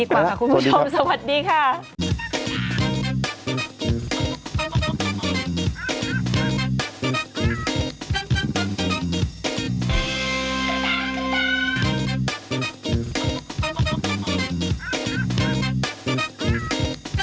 ไปดีกว่าคุณผู้ชมสวัสดีค่ะ